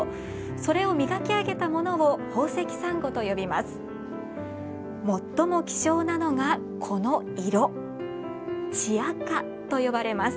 それを磨き上げたものを宝石サンゴと呼びます。